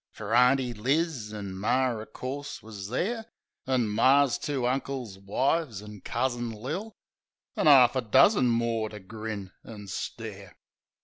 Fer Auntie Liz, an' Mar, o' course, wus there; An' Mar's two uncles' wives, an' Cousin Lil, An' 'arf a dozen more to grin and stare.